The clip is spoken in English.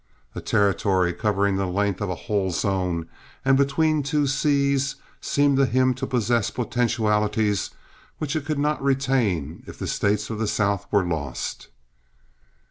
A territory covering the length of a whole zone and between two seas, seemed to him to possess potentialities which it could not retain if the States of the South were lost.